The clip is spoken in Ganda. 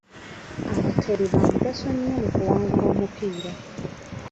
Abateebi baamugaso mu kuwangula omupiira.